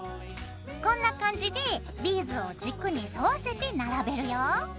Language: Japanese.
こんな感じでビーズを軸に沿わせて並べるよ。